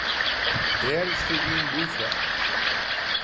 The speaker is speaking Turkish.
Eğer istediğin buysa…